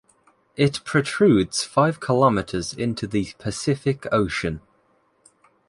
It protrudes five kilometres into the Pacific Ocean.